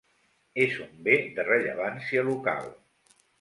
És un Bé de Rellevància Local.